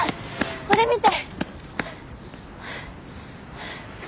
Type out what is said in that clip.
これ見て！